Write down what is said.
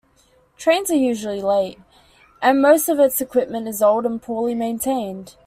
Trains are usually late, and most of its equipment is old and poorly maintained.